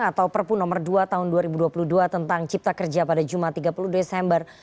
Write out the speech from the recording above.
atau perpu nomor dua tahun dua ribu dua puluh dua tentang cipta kerja pada jumat tiga puluh desember